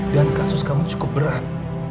dan kasus kamu cukup berat